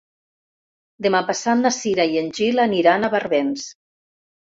Demà passat na Cira i en Gil aniran a Barbens.